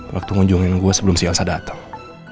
waktu ngunjungin gue sebelum si elsa datang